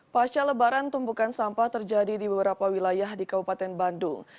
pasca lebaran tumpukan sampah terjadi di beberapa wilayah di kabupaten bandung